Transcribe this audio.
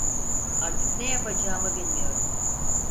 Artık ne yapacağımı bilmiyorum.